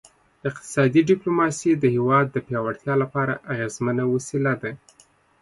اقتصادي ډیپلوماسي د هیواد د پیاوړتیا لپاره اغیزمنه وسیله ده